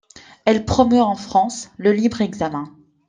Elle promeut, en France, le libre examen.